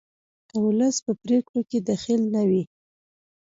که ولس په پریکړو کې دخیل نه وي